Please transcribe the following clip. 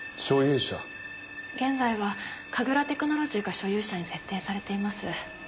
現在は神楽テクノロジーが所有者に設定されています。